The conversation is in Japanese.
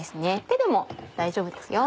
手でも大丈夫ですよ。